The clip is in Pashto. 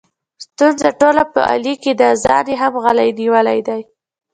ستونزه ټوله په علي کې ده، ځان یې هم غلی نیولی دی.